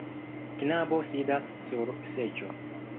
Knabo sidas sur seĝo.